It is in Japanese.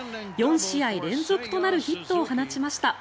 ４試合連続となるヒットを放ちました。